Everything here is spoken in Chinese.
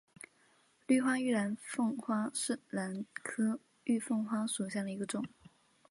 绿花玉凤花为兰科玉凤花属下的一个种。